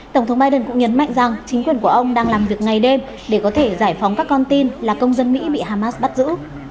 tổng thống biden cũng nhấn mạnh rằng chính quyền của ông đang làm việc ngày đêm để có thể giải phóng các con tin là công dân mỹ bị hamas bắt giữ